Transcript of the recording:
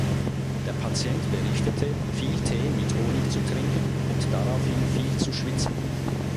Der Patient berichtete, viel Tee mit Honig zu trinken und daraufhin viel zu schwitzen.